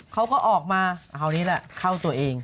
เขาก็ออกมาคราวนี้แหละเข้าตัวเอง